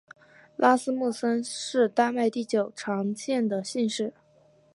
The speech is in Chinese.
拉斯穆森是丹麦第九常见的姓氏。